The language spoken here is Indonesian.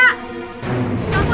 buka pintu widya